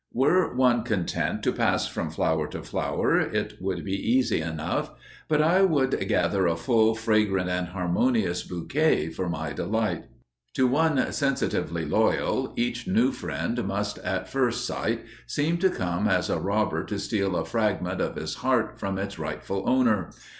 Were one content to pass from flower to flower it would be easy enough, but I would gather a full, fragrant and harmonious bouquet for my delight. To one sensitively loyal, each new friend must at first sight seem to come as a robber to steal a fragment of his heart from its rightful owner.